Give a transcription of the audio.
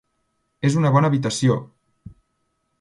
És una bona habitació!